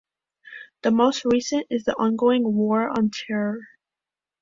The most recent is the ongoing War on Terror.